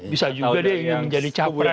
bisa juga dia ingin menjadi capres